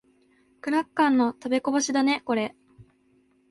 クラッカーの食べこぼしだね、これ。